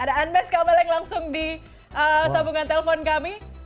ada anmes kameleng langsung di sambungan telepon kami